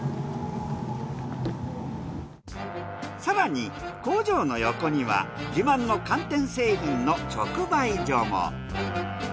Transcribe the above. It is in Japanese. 更に工場の横には自慢の寒天製品の直売所も。